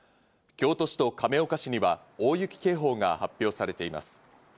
京都市と亀岡市には大雪警報が発表されています。